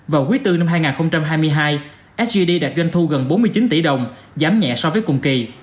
vào quý bốn năm hai nghìn hai mươi hai sgd đạt doanh thu gần bốn mươi chín tỷ đồng giảm nhẹ so với cùng kỳ